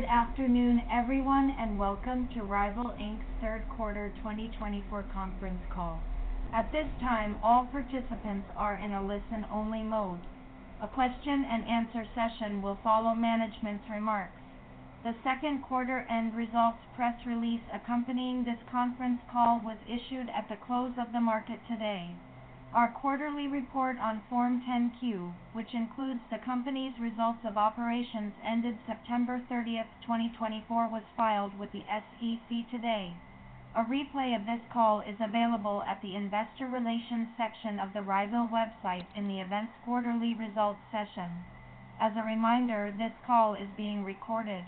Good afternoon, everyone, and welcome to Ryvyl Inc.'s third quarter 2024 conference call. At this time, all participants are in a listen-only mode. A question-and-answer session will follow management's remarks. The second quarter-end results press release accompanying this conference call was issued at the close of the market today. Our quarterly report on Form 10-Q, which includes the company's results of operations ended September 30, 2024, was filed with the SEC today. A replay of this call is available at the investor relations section of the Ryvyl website in the event's quarterly results session. As a reminder, this call is being recorded.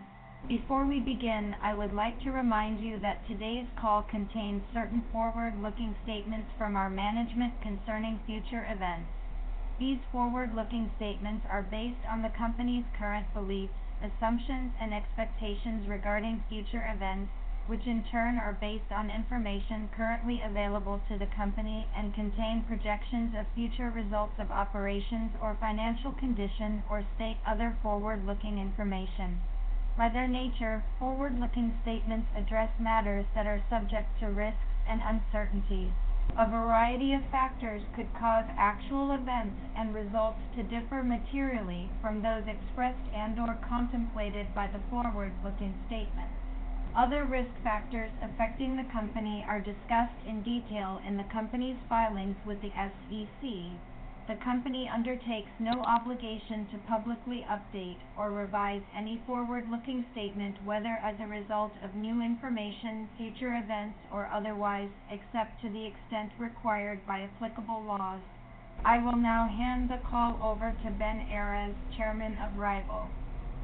Before we begin, I would like to remind you that today's call contains certain forward-looking statements from our management concerning future events. These forward-looking statements are based on the company's current beliefs, assumptions, and expectations regarding future events, which in turn are based on information currently available to the company and contain projections of future results of operations or financial condition or state other forward-looking information. By their nature, forward-looking statements address matters that are subject to risks and uncertainties. A variety of factors could cause actual events and results to differ materially from those expressed and/or contemplated by the forward-looking statements. Other risk factors affecting the company are discussed in detail in the company's filings with the SEC. The company undertakes no obligation to publicly update or revise any forward-looking statement whether as a result of new information, future events, or otherwise, except to the extent required by applicable laws. I will now hand the call over to Ben Errez, Chairman of Ryvyl.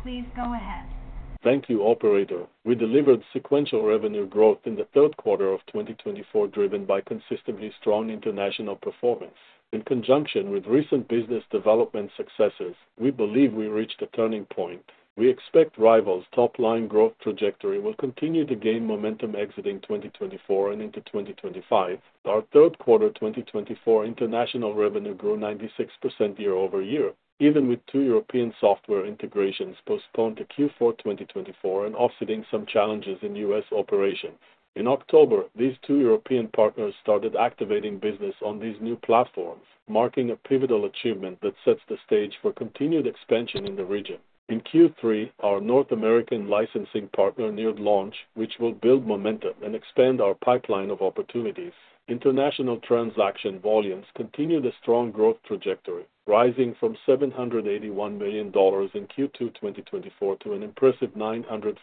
Please go ahead. Thank you, Operator. We delivered sequential revenue growth in the third quarter of 2024 driven by consistently strong international performance. In conjunction with recent business development successes, we believe we reached a turning point. We expect Ryvyl's top-line growth trajectory will continue to gain momentum exiting 2024 and into 2025. Our third quarter 2024 international revenue grew 96% year-over-year, even with two European software integrations postponed to Q4 2024 and offsetting some challenges in U.S. operations. In October, these two European partners started activating business on these new platforms, marking a pivotal achievement that sets the stage for continued expansion in the region. In Q3, our North American licensing partner neared launch, which will build momentum and expand our pipeline of opportunities. International transaction volumes continued a strong growth trajectory, rising from $781 million in Q2 2024 to an impressive $952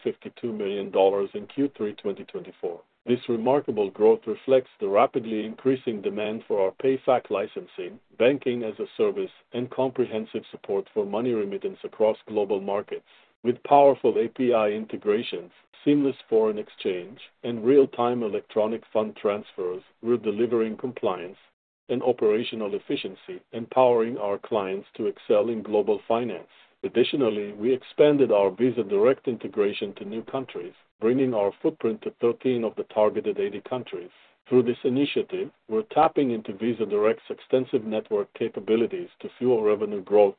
million in Q3 2024. This remarkable growth reflects the rapidly increasing demand for our PayFac licensing, banking-as-a-service, and comprehensive support for money remittance across global markets. With powerful API integrations, seamless foreign exchange, and real-time electronic fund transfers, we're delivering compliance and operational efficiency, empowering our clients to excel in global finance. Additionally, we expanded our Visa Direct integration to new countries, bringing our footprint to 13 of the targeted 80 countries. Through this initiative, we're tapping into Visa Direct's extensive network capabilities to fuel revenue growth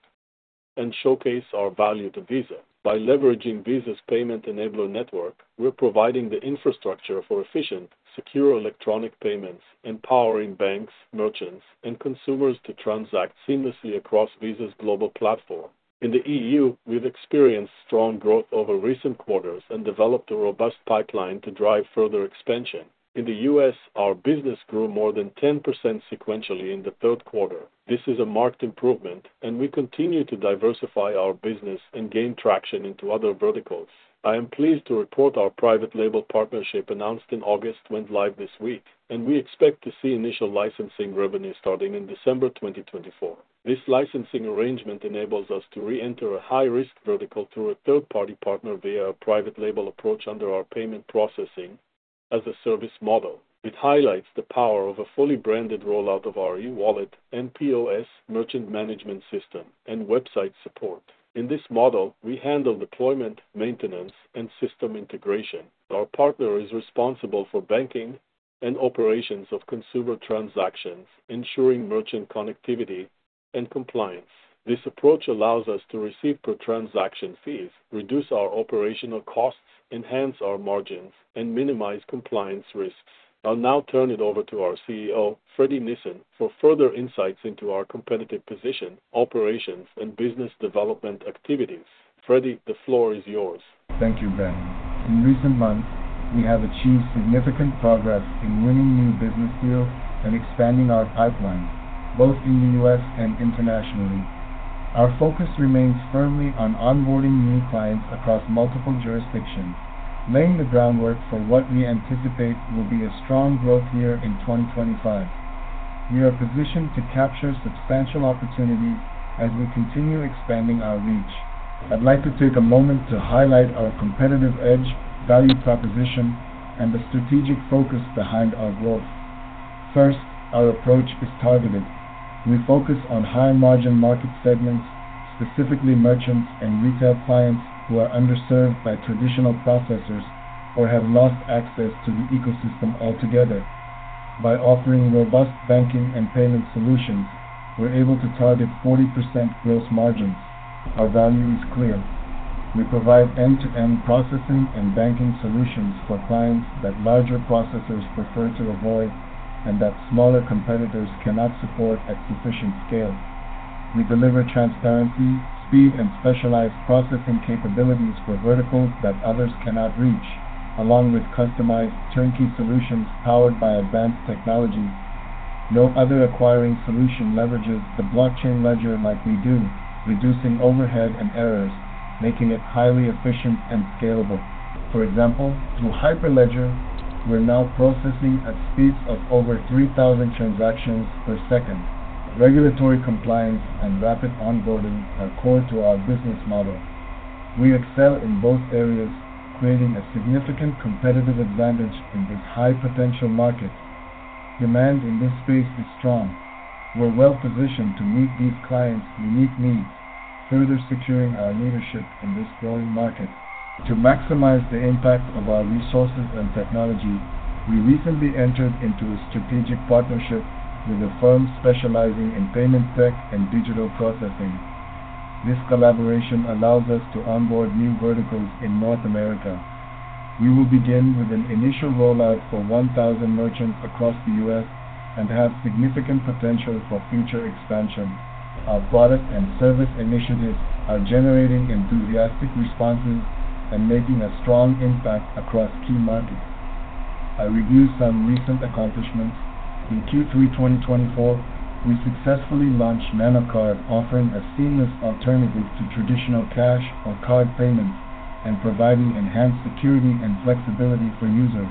and showcase our value to Visa. By leveraging Visa's payment enabler network, we're providing the infrastructure for efficient, secure electronic payments, empowering banks, merchants, and consumers to transact seamlessly across Visa's global platform. In the EU, we've experienced strong growth over recent quarters and developed a robust pipeline to drive further expansion. In the U.S., our business grew more than 10% sequentially in the third quarter. This is a marked improvement, and we continue to diversify our business and gain traction into other verticals. I am pleased to report our private label partnership announced in August went live this week, and we expect to see initial licensing revenue starting in December 2024. This licensing arrangement enables us to re-enter a high-risk vertical through a third-party partner via a private label approach under our payment processing-as-a-service model. It highlights the power of a fully branded rollout of our e-wallet, nPOS, merchant management system, and website support. In this model, we handle deployment, maintenance, and system integration. Our partner is responsible for banking and operations of consumer transactions, ensuring merchant connectivity and compliance. This approach allows us to receive per transaction fees, reduce our operational costs, enhance our margins, and minimize compliance risks. I'll now turn it over to our CEO, Fredi Nisan, for further insights into our competitive position, operations, and business development activities. Fredi, the floor is yours. Thank you, Ben. In recent months, we have achieved significant progress in winning new business deals and expanding our pipeline, both in the U.S. and internationally. Our focus remains firmly on onboarding new clients across multiple jurisdictions, laying the groundwork for what we anticipate will be a strong growth year in 2025. We are positioned to capture substantial opportunities as we continue expanding our reach. I'd like to take a moment to highlight our competitive edge, value proposition, and the strategic focus behind our growth. First, our approach is targeted. We focus on high-margin market segments, specifically merchants and retail clients who are underserved by traditional processors or have lost access to the ecosystem altogether. By offering robust banking and payment solutions, we're able to target 40% gross margins. Our value is clear. We provide end-to-end processing and banking solutions for clients that larger processors prefer to avoid and that smaller competitors cannot support at sufficient scale. We deliver transparency, speed, and specialized processing capabilities for verticals that others cannot reach, along with customized turnkey solutions powered by advanced technologies. No other acquiring solution leverages the blockchain ledger like we do, reducing overhead and errors, making it highly efficient and scalable. For example, through Hyperledger, we're now processing at speeds of over 3,000 transactions per second. Regulatory compliance and rapid onboarding are core to our business model. We excel in both areas, creating a significant competitive advantage in this high-potential market. Demand in this space is strong. We're well-positioned to meet these clients' unique needs, further securing our leadership in this growing market. To maximize the impact of our resources and technology, we recently entered into a strategic partnership with a firm specializing in payment tech and digital processing. This collaboration allows us to onboard new verticals in North America. We will begin with an initial rollout for 1,000 merchants across the U.S. and have significant potential for future expansion. Our product and service initiatives are generating enthusiastic responses and making a strong impact across key markets. I'll review some recent accomplishments. In Q3 2024, we successfully launched Nano Card, offering a seamless alternative to traditional cash or card payments and providing enhanced security and flexibility for users.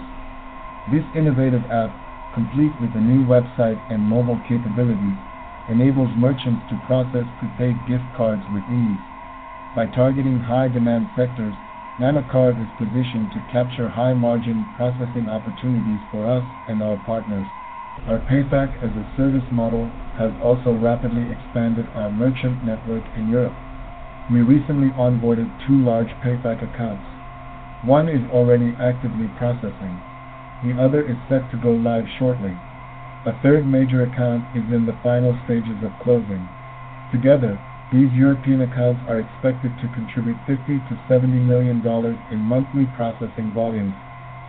This innovative app, complete with a new website and mobile capabilities, enables merchants to process prepaid gift cards with ease. By targeting high-demand sectors, Nano Card is positioned to capture high-margin processing opportunities for us and our partners. Our PayFac-as-a-Service model has also rapidly expanded our merchant network in Europe. We recently onboarded two large PayFac accounts. One is already actively processing. The other is set to go live shortly. A third major account is in the final stages of closing. Together, these European accounts are expected to contribute $50 million-$70 million in monthly processing volumes,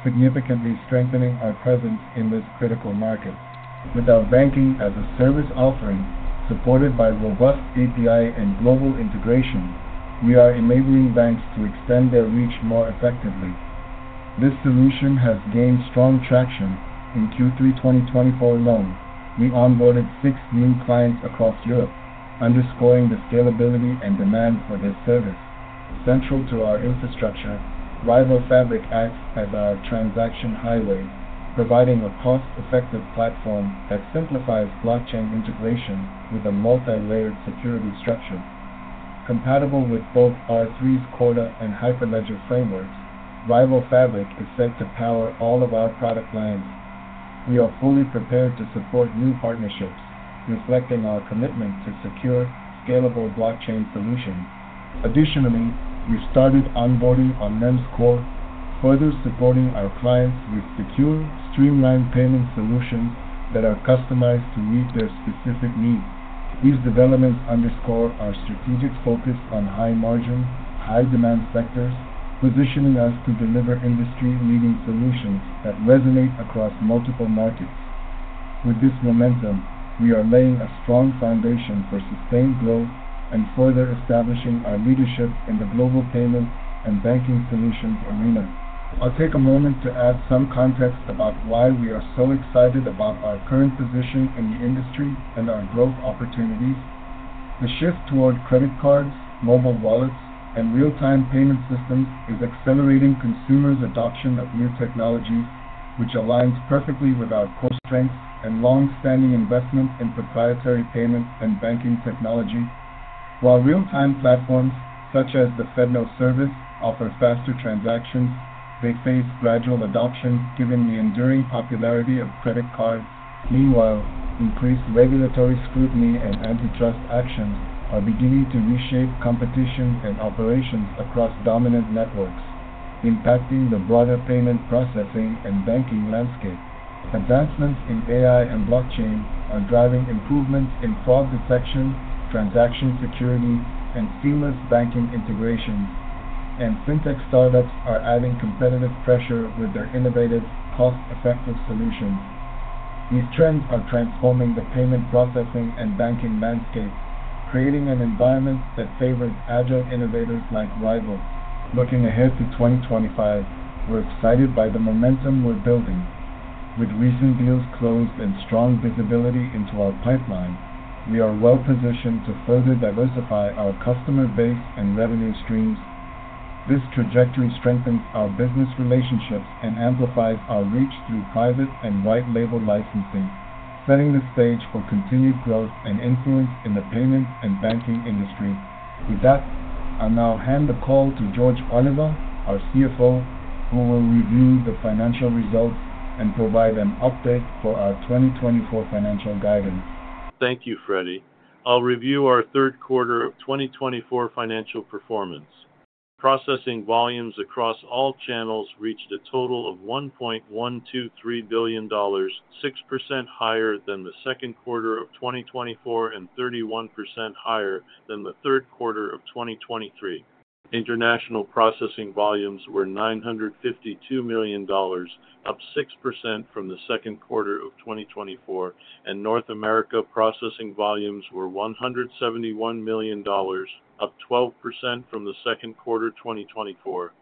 significantly strengthening our presence in this critical market. With our banking-as-a-service offering, supported by robust API and global integration, we are enabling banks to extend their reach more effectively. This solution has gained strong traction. In Q3 2024 alone, we onboarded six new clients across Europe, underscoring the scalability and demand for this service. Central to our infrastructure, Ryvyl Fabric acts as our transaction highway, providing a cost-effective platform that simplifies blockchain integration with a multi-layered security structure. Compatible with both R3's Corda and Hyperledger frameworks, Ryvyl Fabric is set to power all of our product lines. We are fully prepared to support new partnerships, reflecting our commitment to secure, scalable blockchain solutions. Additionally, we've started onboarding on NIMS Core, further supporting our clients with secure, streamlined payment solutions that are customized to meet their specific needs. These developments underscore our strategic focus on high-margin, high-demand sectors, positioning us to deliver industry-leading solutions that resonate across multiple markets. With this momentum, we are laying a strong foundation for sustained growth and further establishing our leadership in the global payments and banking solutions arena. I'll take a moment to add some context about why we are so excited about our current position in the industry and our growth opportunities. The shift toward credit cards, mobile wallets, and real-time payment systems is accelerating consumers' adoption of new technologies, which aligns perfectly with our core strengths and long-standing investment in proprietary payment and banking technology. While real-time platforms, such as the FedNow Service, offer faster transactions, they face gradual adoption given the enduring popularity of credit cards. Meanwhile, increased regulatory scrutiny and antitrust actions are beginning to reshape competition and operations across dominant networks, impacting the broader payment processing and banking landscape. Advancements in AI and blockchain are driving improvements in fraud detection, transaction security, and seamless banking integrations, and fintech startups are adding competitive pressure with their innovative, cost-effective solutions. These trends are transforming the payment processing and banking landscape, creating an environment that favors agile innovators like Ryvyl. Looking ahead to 2025, we're excited by the momentum we're building. With recent deals closed and strong visibility into our pipeline, we are well-positioned to further diversify our customer base and revenue streams. This trajectory strengthens our business relationships and amplifies our reach through private and white-label licensing, setting the stage for continued growth and influence in the payments and banking industry. With that, I'll now hand the call to George Oliva, our CFO, who will review the financial results and provide an update for our 2024 financial guidance. Thank you, Fredi. I'll review our third quarter of 2024 financial performance. Processing volumes across all channels reached a total of $1.123 billion, 6% higher than the second quarter of 2024 and 31% higher than the third quarter of 2023. International processing volumes were $952 million, up 6% from the second quarter of 2024, and North America processing volumes were $171 million, up 12% from the second quarter 2024.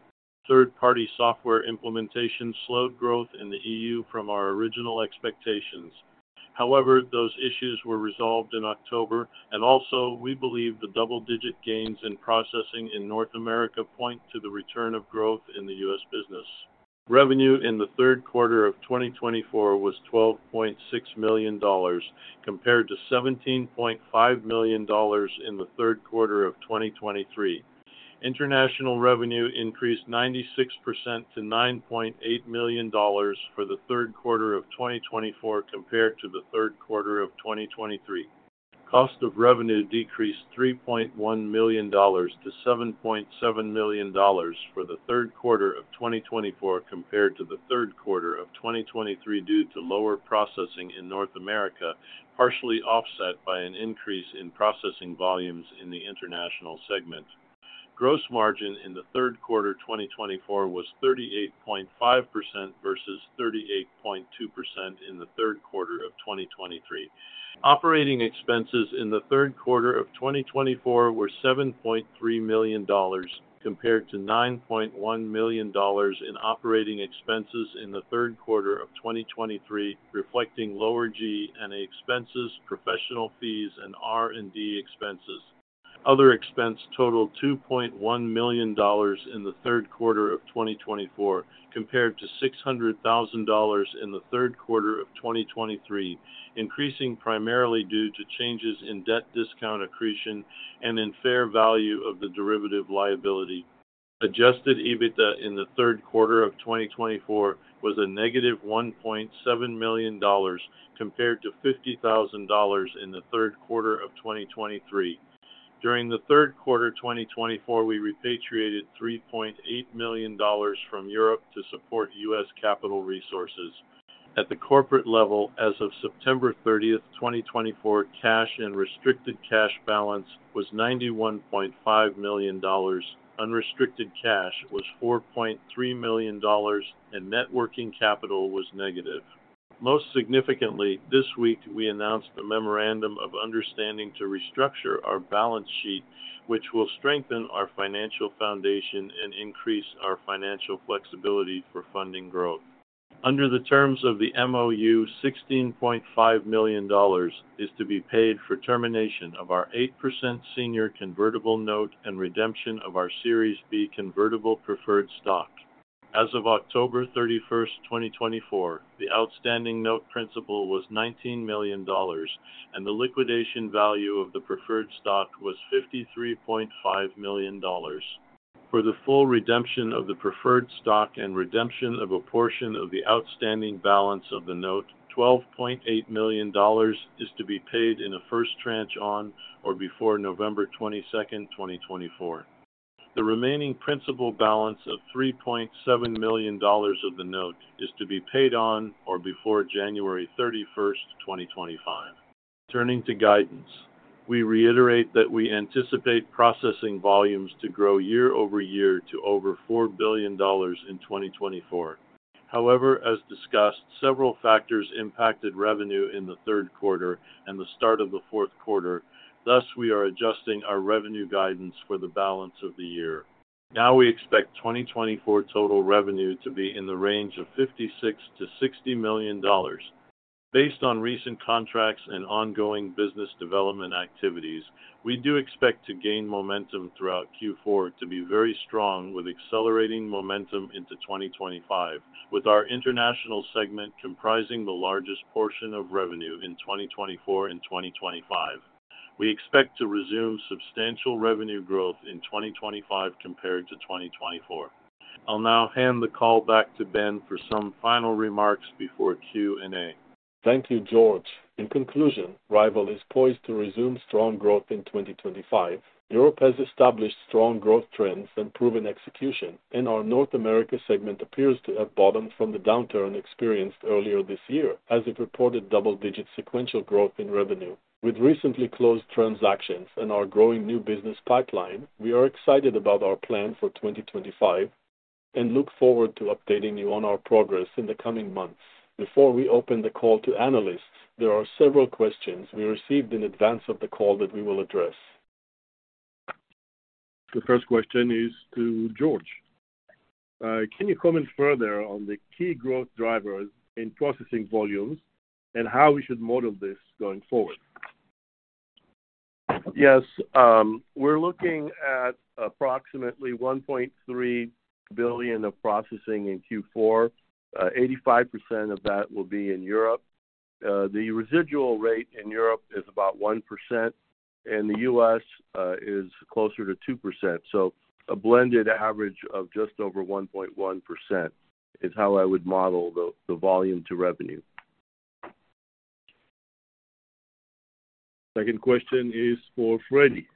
Third-party software implementation slowed growth in the EU from our original expectations. However, those issues were resolved in October, and also, we believe the double-digit gains in processing in North America point to the return of growth in the U.S. business. Revenue in the third quarter of 2024 was $12.6 million, compared to $17.5 million in the third quarter of 2023. International revenue increased 96% to $9.8 million for the third quarter of 2024 compared to the third quarter of 2023. Cost of revenue decreased $3.1 million to $7.7 million for the third quarter of 2024 compared to the third quarter of 2023 due to lower processing in North America, partially offset by an increase in processing volumes in the international segment. Gross margin in the third quarter 2024 was 38.5% versus 38.2% in the third quarter of 2023. Operating expenses in the third quarter of 2024 were $7.3 million compared to $9.1 million in operating expenses in the third quarter of 2023, reflecting lower G&A expenses, professional fees, and R&D expenses. Other expense totaled $2.1 million in the third quarter of 2024, compared to $600,000 in the third quarter of 2023, increasing primarily due to changes in debt discount accretion and in fair value of the derivative liability. Adjusted EBITDA in the third quarter of 2024 was a negative $1.7 million compared to $50,000 in the third quarter of 2023. During the third quarter 2024, we repatriated $3.8 million from Europe to support U.S. capital resources. At the corporate level, as of September 30, 2024, cash and restricted cash balance was $91.5 million, unrestricted cash was $4.3 million, and net working capital was negative. Most significantly, this week we announced a memorandum of understanding to restructure our balance sheet, which will strengthen our financial foundation and increase our financial flexibility for funding growth. Under the terms of the MOU, $16.5 million is to be paid for termination of our 8% senior convertible note and redemption of our Series B convertible preferred stock. As of October 31, 2024, the outstanding note principal was $19 million, and the liquidation value of the preferred stock was $53.5 million. For the full redemption of the preferred stock and redemption of a portion of the outstanding balance of the note, $12.8 million is to be paid in a first tranche on or before November 22, 2024. The remaining principal balance of $3.7 million of the note is to be paid on or before January 31, 2025. Turning to guidance, we reiterate that we anticipate processing volumes to grow year over year to over $4 billion in 2024. However, as discussed, several factors impacted revenue in the third quarter and the start of the fourth quarter, thus we are adjusting our revenue guidance for the balance of the year. Now we expect 2024 total revenue to be in the range of $56 million-$60 million. Based on recent contracts and ongoing business development activities, we do expect to gain momentum throughout Q4, to be very strong with accelerating momentum into 2025, with our international segment comprising the largest portion of revenue in 2024 and 2025. We expect to resume substantial revenue growth in 2025 compared to 2024. I'll now hand the call back to Ben for some final remarks before Q&A. Thank you, George. In conclusion, Ryvyl is poised to resume strong growth in 2025. Europe has established strong growth trends and proven execution, and our North America segment appears to have bottomed from the downturn experienced earlier this year, as it reported double-digit sequential growth in revenue. With recently closed transactions and our growing new business pipeline, we are excited about our plan for 2025 and look forward to updating you on our progress in the coming months. Before we open the call to analysts, there are several questions we received in advance of the call that we will address. The first question is to George. Can you comment further on the key growth drivers in processing volumes and how we should model this going forward? Yes. We're looking at approximately $1.3 billion of processing in Q4. 85% of that will be in Europe. The residual rate in Europe is about 1%, and the U.S. is closer to 2%. So a blended average of just over 1.1% is how I would model the volume to revenue. Second question is for Fredi.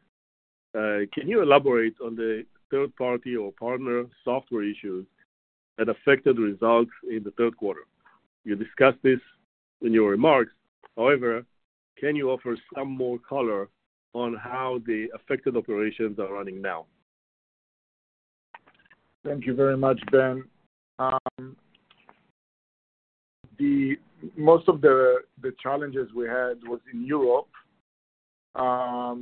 Can you elaborate on the third-party or partner software issues that affected results in the third quarter? You discussed this in your remarks. However, can you offer some more color on how the affected operations are running now? Thank you very much, Ben. Most of the challenges we had was in Europe. A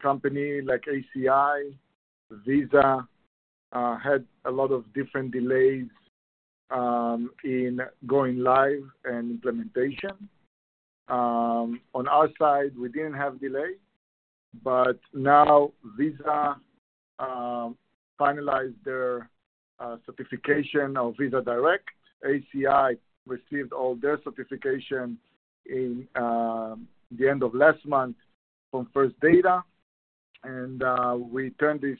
company like ACI, Visa, had a lot of different delays in going live and implementation. On our side, we didn't have delays, but now Visa finalized their certification of Visa Direct. ACI received all their certification at the end of last month from First Data, and we turned this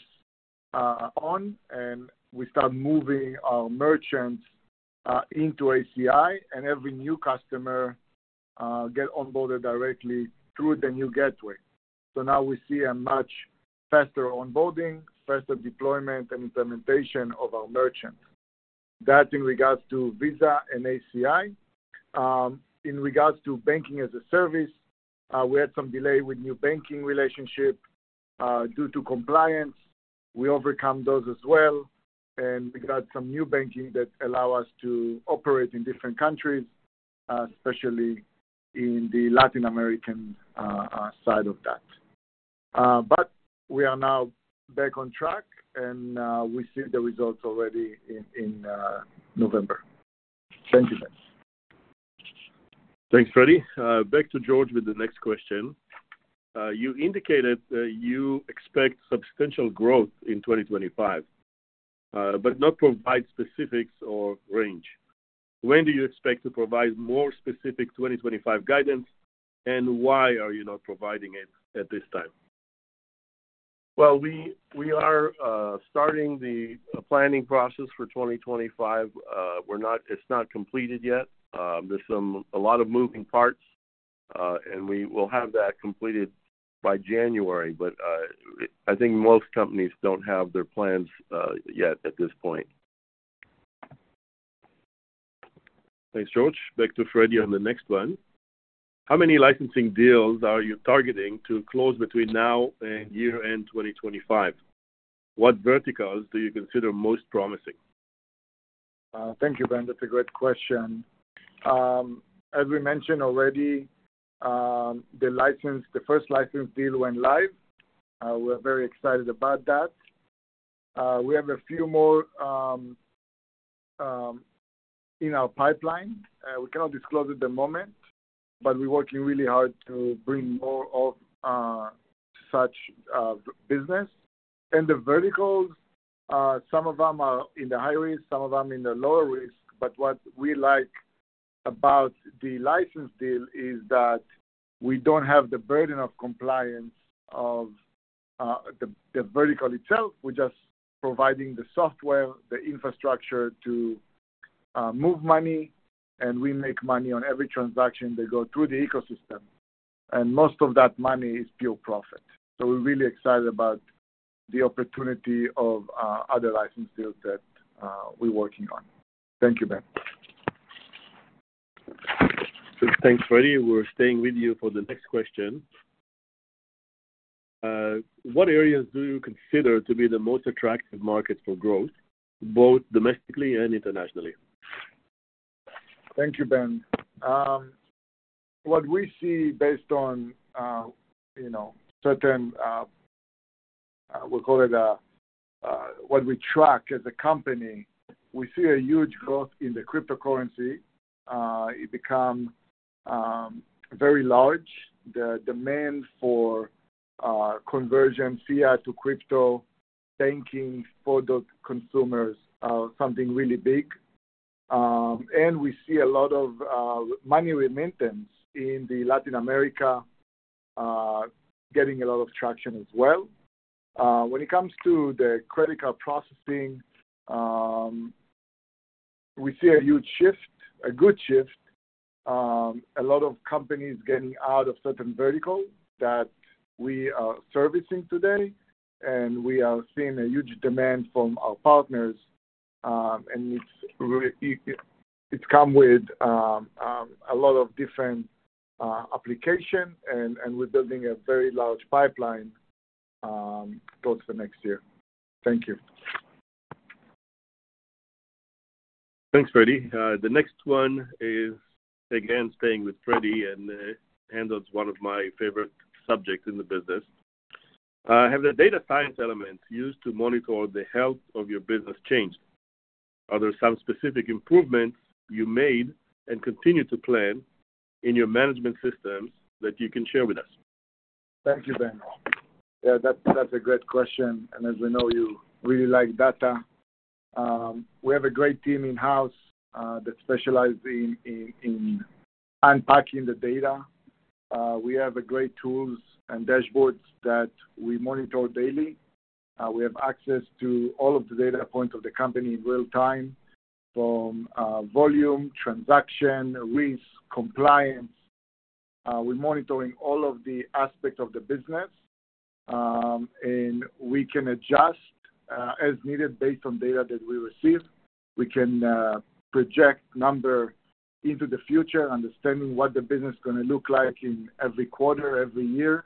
on, and we started moving our merchants into ACI, and every new customer gets onboarded directly through the new gateway. So now we see a much faster onboarding, faster deployment, and implementation of our merchants. That, in regards to Visa and ACI. In regards to Banking-as-a-Service, we had some delay with new banking relationships due to compliance. We overcame those as well, and we got some new banking that allows us to operate in different countries, especially in the Latin America side of that. But we are now back on track, and we see the results already in November. Thank you, Ben. Thanks, Fredi. Back to George with the next question. You indicated that you expect substantial growth in 2025, but not provide specifics or range. When do you expect to provide more specific 2025 guidance, and why are you not providing it at this time? We are starting the planning process for 2025. It's not completed yet. There's a lot of moving parts, and we will have that completed by January, but I think most companies don't have their plans yet at this point. Thanks, George. Back to Fredi on the next one. How many licensing deals are you targeting to close between now and year-end 2025? What verticals do you consider most promising? Thank you, Ben. That's a great question. As we mentioned already, the first license deal went live. We're very excited about that. We have a few more in our pipeline. We cannot disclose at the moment, but we're working really hard to bring more of such business and the verticals, some of them are in the high risk, some of them in the lower risk, but what we like about the license deal is that we don't have the burden of compliance of the vertical itself. We're just providing the software, the infrastructure to move money, and we make money on every transaction that goes through the ecosystem and most of that money is pure profit, so we're really excited about the opportunity of other license deals that we're working on. Thank you, Ben. Thanks, Fredi. We're staying with you for the next question. What areas do you consider to be the most attractive markets for growth, both domestically and internationally? Thank you, Ben. What we see based on certain, we'll call it what we track as a company, we see a huge growth in the cryptocurrency. It became very large. The demand for conversion fiat to crypto banking for the consumers is something really big, and we see a lot of money remittance in Latin America getting a lot of traction as well. When it comes to the credit card processing, we see a huge shift, a good shift. A lot of companies are getting out of certain verticals that we are servicing today, and we are seeing a huge demand from our partners, and it's come with a lot of different applications, and we're building a very large pipeline towards the next year. Thank you. Thanks, Fredi. The next one is, again, staying with Fredi and handles one of my favorite subjects in the business. Have the data science elements used to monitor the health of your business changed? Are there some specific improvements you made and continue to plan in your management systems that you can share with us? Thank you, Ben. Yeah, that's a great question, and as we know, you really like data. We have a great team in-house that specializes in unpacking the data. We have great tools and dashboards that we monitor daily. We have access to all of the data points of the company in real time, from volume, transaction, risk, compliance. We're monitoring all of the aspects of the business, and we can adjust as needed based on data that we receive. We can project numbers into the future, understanding what the business is going to look like in every quarter, every year,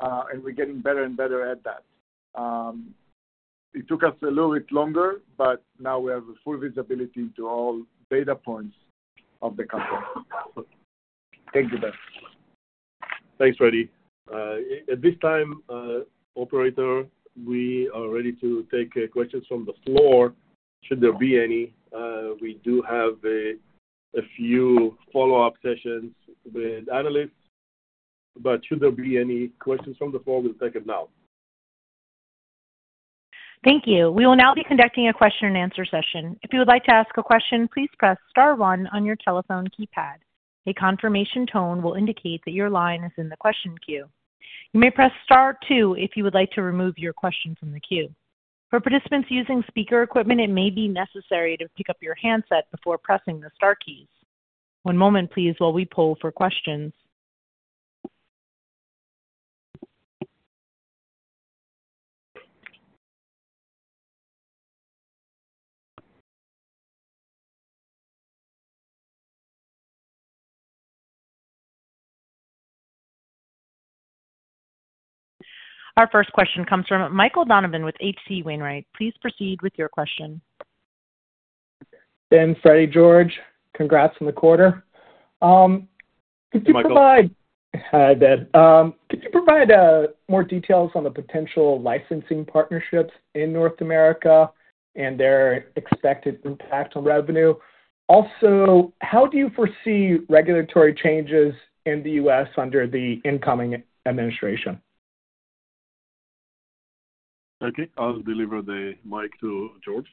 and we're getting better and better at that. It took us a little bit longer, but now we have full visibility into all data points of the company. Thank you, Ben. Thanks, Fredi. At this time, operator, we are ready to take questions from the floor should there be any. We do have a few follow-up sessions with analysts, but should there be any questions from the floor, we'll take them now. Thank you. We will now be conducting a question-and-answer session. If you would like to ask a question, please press star one on your telephone keypad. A confirmation tone will indicate that your line is in the question queue. You may press star two if you would like to remove your question from the queue. For participants using speaker equipment, it may be necessary to pick up your handset before pressing the star keys. One moment, please, while we poll for questions. Our first question comes from Michael Donovan with H.C. Wainwright. Please proceed with your question. Thanks, Fredi, George. Congrats on the quarter. Could you provide, hi, Ben. Could you provide more details on the potential licensing partnerships in North America and their expected impact on revenue? Also, how do you foresee regulatory changes in the U.S. under the incoming administration? Thank you. I'll deliver the mic to George.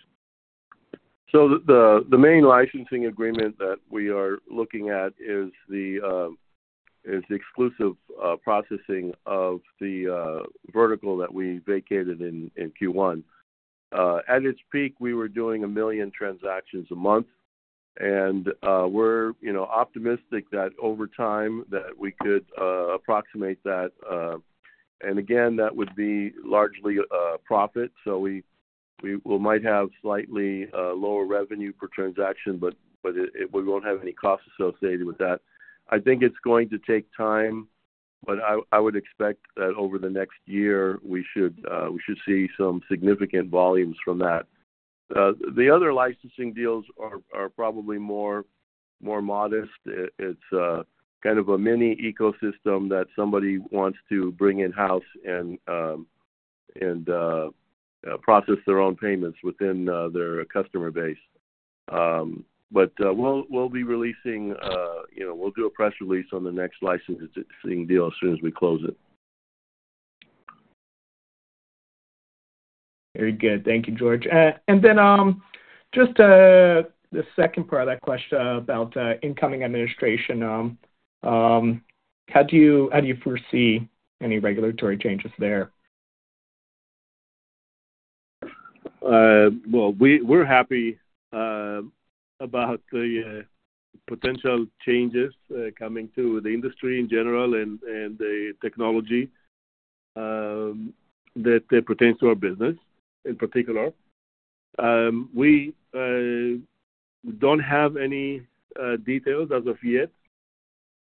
So the main licensing agreement that we are looking at is the exclusive processing of the vertical that we vacated in Q1. At its peak, we were doing a million transactions a month, and we're optimistic that over time that we could approximate that. And again, that would be largely profit, so we might have slightly lower revenue per transaction, but we won't have any costs associated with that. I think it's going to take time, but I would expect that over the next year, we should see some significant volumes from that. The other licensing deals are probably more modest. It's kind of a mini ecosystem that somebody wants to bring in-house and process their own payments within their customer base. But we'll be releasing. We'll do a press release on the next licensing deal as soon as we close it. Very good. Thank you, George. And then just the second part of that question about incoming administration, how do you foresee any regulatory changes there? We're happy about the potential changes coming to the industry in general and the technology that pertains to our business in particular. We don't have any details as of yet,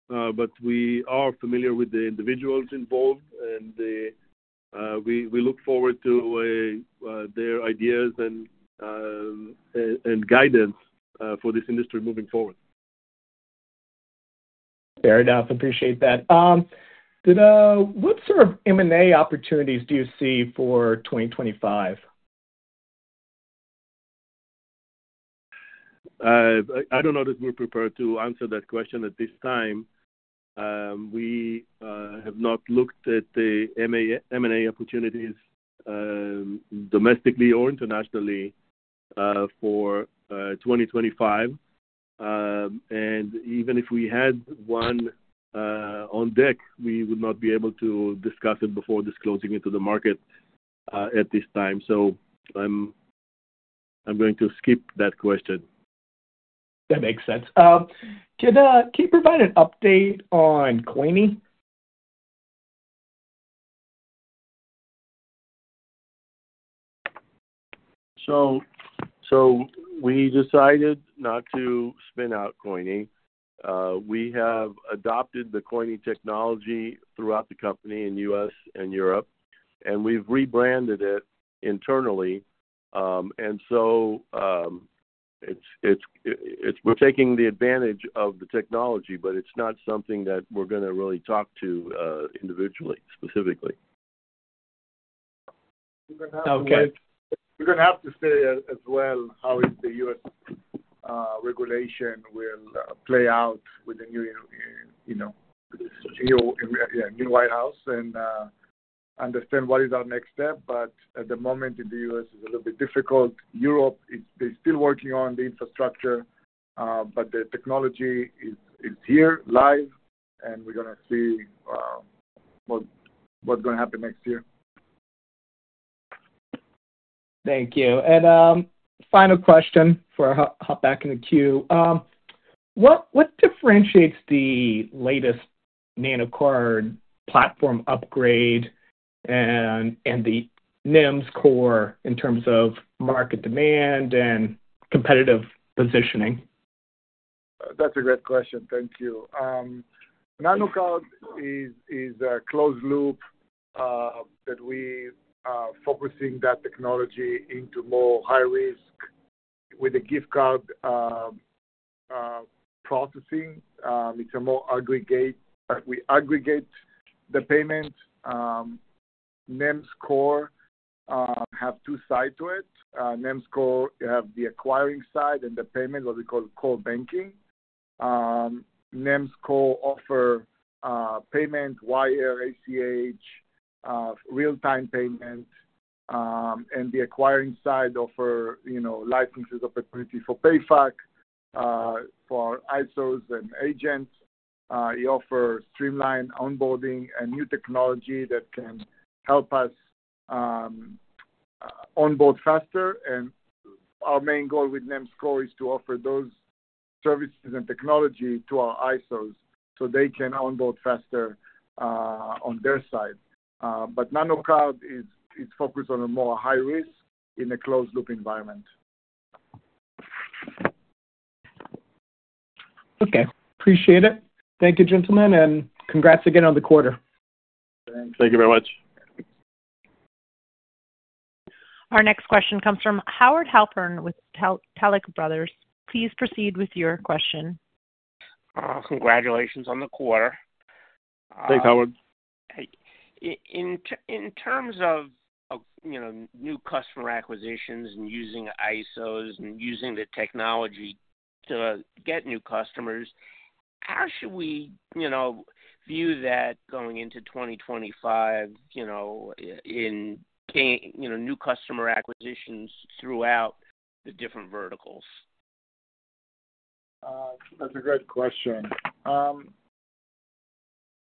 but we are familiar with the individuals involved, and we look forward to their ideas and guidance for this industry moving forward. Fair enough. Appreciate that. What sort of M&A opportunities do you see for 2025? I don't know that we're prepared to answer that question at this time. We have not looked at the M&A opportunities domestically or internationally for 2025. And even if we had one on deck, we would not be able to discuss it before disclosing it to the market at this time. So I'm going to skip that question. That makes sense. Can you provide an update on coyni? We decided not to spin out coyni. We have adopted the coyni technology throughout the company in the U.S. and Europe, and we've rebranded it internally. We're taking the advantage of the technology, but it's not something that we're going to really talk to individually, specifically. We're going to have to see as well how the U.S. regulation will play out with the new White House and understand what is our next step, but at the moment, in the U.S., it's a little bit difficult. Europe, they're still working on the infrastructure, but the technology is here, live, and we're going to see what's going to happen next year. Thank you. And final question before I hop back in the queue. What differentiates the latest Nano Card platform upgrade and the NIMS Core in terms of market demand and competitive positioning? That's a great question. Thank you. Nano Card is a closed loop that we are focusing that technology into more high-risk with the gift card processing. It's a more aggregate, we aggregate the payments. NIMS Core has two sides to it. NIMS Core has the acquiring side and the payment, what we call core banking. NIMS Core offers payment, wire, ACH, real-time payment. And the acquiring side offers licenses opportunities for PayFac, for ISOs and agents. We offer streamlined onboarding and new technology that can help us onboard faster. And our main goal with NIMS Core is to offer those services and technology to our ISOs so they can onboard faster on their side. But Nano Card is focused on a more high-risk in a closed-loop environment. Okay. Appreciate it. Thank you, gentlemen, and congrats again on the quarter. Thanks. Thank you very much. Our next question comes from Howard Halpern with Taglich Brothers. Please proceed with your question. Congratulations on the quarter. Thanks, Howard. In terms of new customer acquisitions and using ISOs and using the technology to get new customers, how should we view that going into 2025 in new customer acquisitions throughout the different verticals? That's a great question.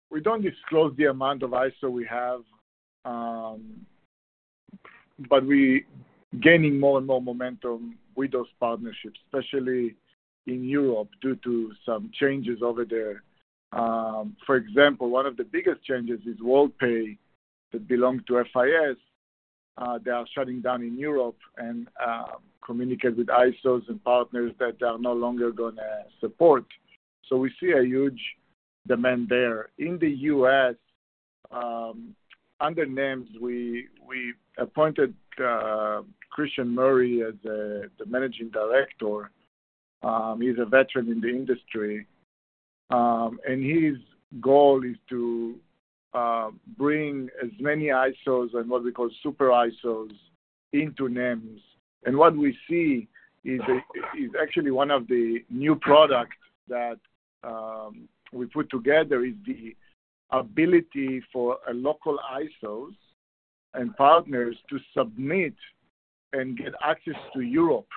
We don't disclose the amount of ISO we have, but we're gaining more and more momentum with those partnerships, especially in Europe due to some changes over there. For example, one of the biggest changes is Worldpay that belonged to FIS. They are shutting down in Europe and communicating with ISOs and partners that they are no longer going to support, so we see a huge demand there. In the U.S., under NIMS, we appointed Christian Murray as the Managing Director. He's a veteran in the industry, and his goal is to bring as many ISOs and what we call super ISOs into NIMS, and what we see is actually one of the new products that we put together is the ability for local ISOs and partners to submit and get access to Europe.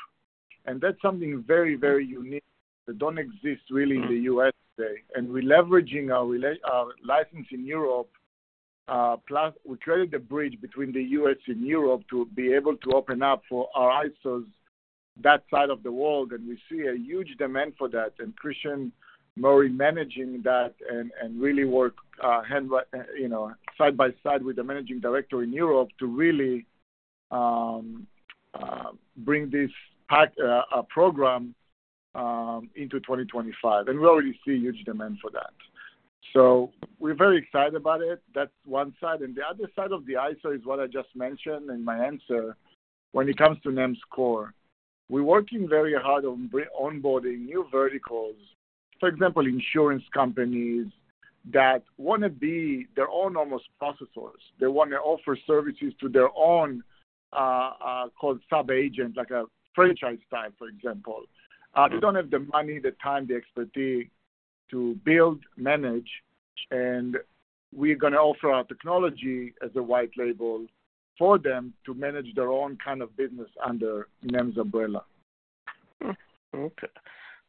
And that's something very, very unique that doesn't exist really in the U.S. today. And we're leveraging our license in Europe. We created the bridge between the U.S. and Europe to be able to open up for our ISOs that side of the world, and we see a huge demand for that. And Christian Murray is managing that and really working side by side with the Managing Director in Europe to really bring this program into 2025. And we already see a huge demand for that. So we're very excited about it. That's one side. And the other side of the ISO is what I just mentioned in my answer when it comes to NIMS Core. We're working very hard on onboarding new verticals, for example, insurance companies that want to be their own almost processors. They want to offer services to their own sub-agent, like a franchise type, for example. They don't have the money, the time, the expertise to build, manage, and we're going to offer our technology as a white label for them to manage their own kind of business under NIMS umbrella. Okay.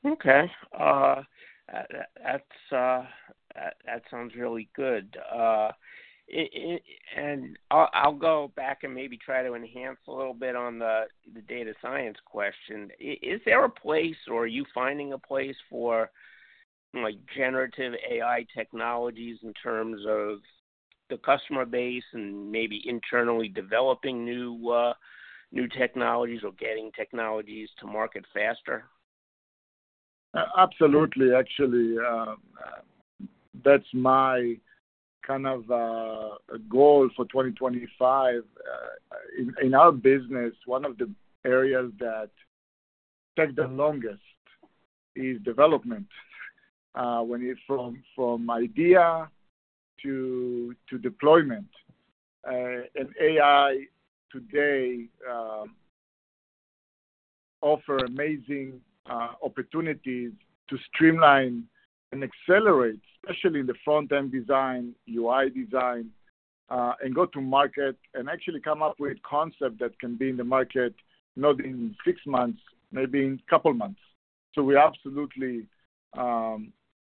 Okay. That sounds really good, and I'll go back and maybe try to enhance a little bit on the data science question. Is there a place, or are you finding a place for generative AI technologies in terms of the customer base and maybe internally developing new technologies or getting technologies to market faster? Absolutely. Actually, that's my kind of goal for 2025. In our business, one of the areas that takes the longest is development. From idea to deployment, and AI today offers amazing opportunities to streamline and accelerate, especially in the front-end design, UI design, and go to market and actually come up with concepts that can be in the market not in six months, maybe in a couple of months. So we're absolutely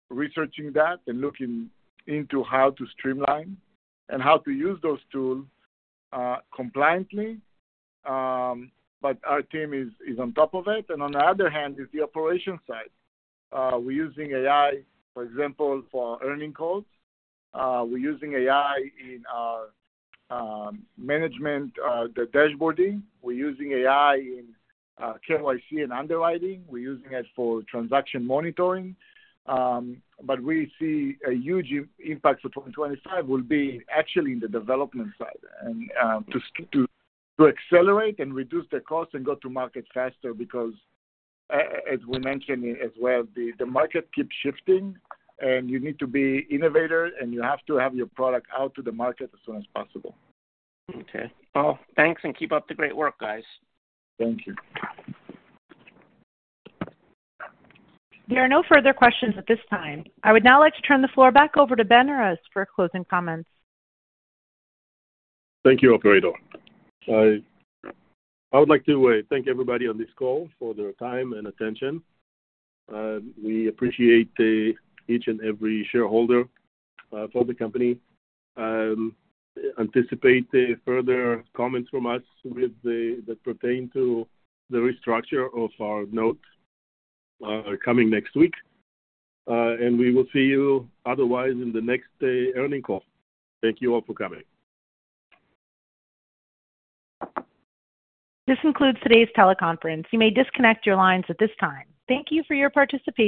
researching that and looking into how to streamline and how to use those tools compliantly. But our team is on top of it. And on the other hand, is the operation side. We're using AI, for example, for our earnings calls. We're using AI in our management, the dashboarding. We're using AI in KYC and underwriting. We're using it for transaction monitoring. But we see a huge impact for 2025 will be actually in the development side and to accelerate and reduce the cost and go to market faster because, as we mentioned as well, the market keeps shifting, and you need to be innovative, and you have to have your product out to the market as soon as possible. Okay. Well, thanks, and keep up the great work, guys. Thank you. There are no further questions at this time. I would now like to turn the floor back over to Ben Errez for closing comments. Thank you, Operator. I would like to thank everybody on this call for their time and attention. We appreciate each and every shareholder for the company. Anticipate further comments from us that pertain to the restructure of our note coming next week and we will see you otherwise in the next earnings call. Thank you all for coming. This concludes today's teleconference. You may disconnect your lines at this time. Thank you for your participation.